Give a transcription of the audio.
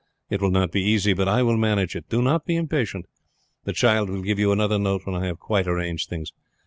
It will not be easy, but I will manage it. Do not be impatient; the child will give you another note when I have quite arranged things.